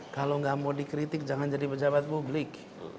kalau nggak mau dikritik jangan jadi pejabat publik